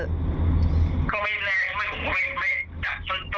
เขาไม่แน่ไม่ไม่ไม่ไม่ต้นต้นแต่ไม่เห็นผมไม่ไม่